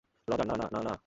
Roger, না, না, না, না!